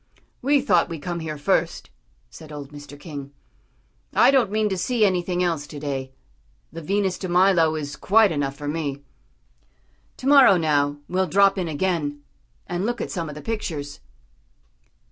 "We thought we'd come here first," said old Mr. King. "I don't mean to see anything else to day. The Venus de Milo is quite enough for me. To morrow, now, we'll drop in again, and look at some of the pictures."